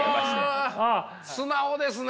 素直ですね。